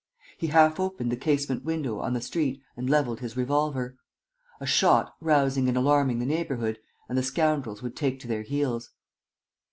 He half opened the casement window on the street and levelled his revolver. A shot, rousing and alarming the neighborhood, and the scoundrels would take to their heels.